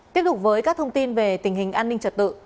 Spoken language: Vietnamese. tiếp tục với các thông tin về tình hình an ninh trật tự